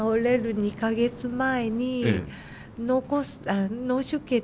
２か月前に？